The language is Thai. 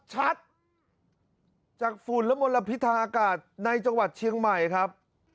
ชัดจากฝุ่นและมลพิษทางอากาศในจังหวัดเชียงใหม่ครับ